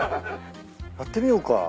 やってみようか。